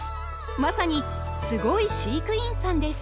まさにスゴイ飼育員さんです